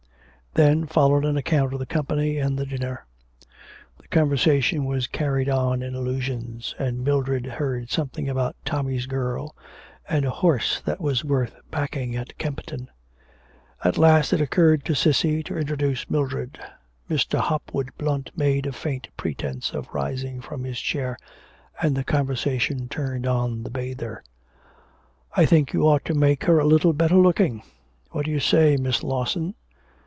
Then followed an account of the company and the dinner. The conversation was carried on in allusions, and Mildred heard something about Tommy's girl and a horse that was worth backing at Kempton. At last it occurred to Cissy to introduce Mildred. Mr. Hopwood Blunt made a faint pretence of rising from his chair, and the conversation turned on the 'Bather.' 'I think you ought to make her a little better looking. What do you say, Miss Lawson?